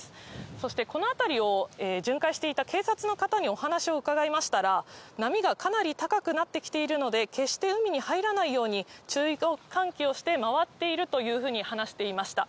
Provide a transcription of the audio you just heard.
そしてこの辺りを巡回していた警察の方にお話を伺いましたら、波がかなり高くなってきているので、決して海に入らないように、注意喚起をして回っているというふうに話していました。